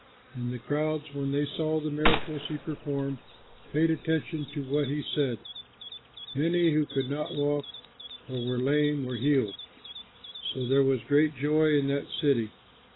And the crowds, when they saw the miracles he performed, paid attention to what he said. Many who could not walk or were lame were healed. So there was great joy in that city.